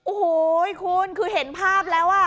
โอ้โหคุณคือเห็นภาพแล้ว